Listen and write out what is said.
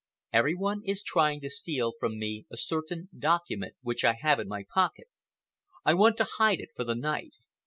Every one is trying to steal from me a certain document which I have in my pocket. I want to hide it for the night.